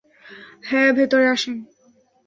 হ্যাঁ, ভেতরে আসেন।